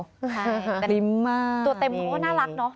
ใช่สักพริมมากนี่ตัวเต็มนี่ก็น่ารักเนอะ